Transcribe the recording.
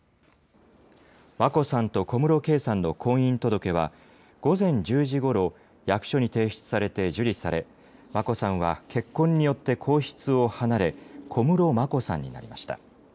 眞子さんと小室圭さんの婚姻届は、午前１０時ごろ、役所に提出されて受理され、眞子さんは結婚によって皇室を離れ、小室眞子さんになりました。